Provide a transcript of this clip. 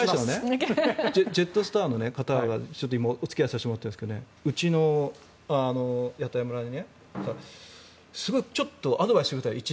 ジェットスターの方と今お付き合いさせてもらっていてうちの屋台村にちょっとアドバイスをしてくれた。